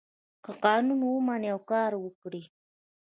که قانون ومني او کار وکړي.